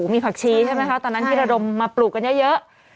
มีผักชีใช่ไหมคะตอนนั้นที่ระดมมาปลูกกันเยอะ